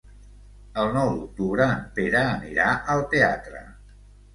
El nou d'octubre en Pere anirà al teatre.